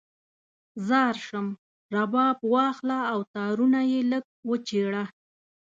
ځار شم، رباب واخله او تارونه یې لږ وچیړه